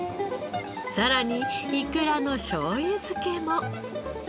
さらにイクラのしょうゆ漬けも。